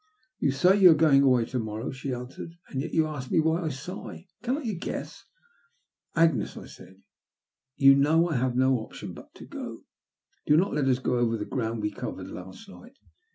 "You say you are going away to morrow," she answered, " and yet you ask me why I sigh ! Cannot you guess ?"" Agnes," I said, " you know I have no option but to go. Do not let us go over the ground we covered last night.